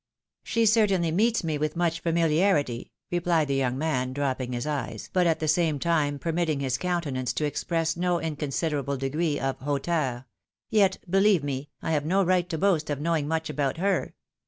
" She certainly meets me with much famiUarity," replied the young man, dropping his eyes, but at the same time per mitting his countenance to express no inconsiderable degree of hauteur, " yet, beheve me, I have no right to boast of knowing much about her.